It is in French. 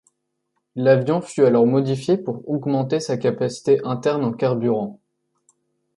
L'avion fut alors modifié pour augmenter sa capacité interne en carburant.